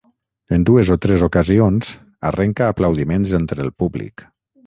En dues o tres ocasions, arrenca aplaudiments entre el públic.